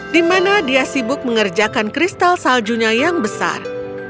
di mana dia sibuk mengerjakan kristal saljunya yang besar